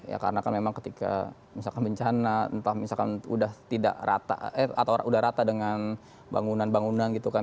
ya karena kan memang ketika misalkan bencana entah misalkan udah tidak rata atau udah rata dengan bangunan bangunan gitu kan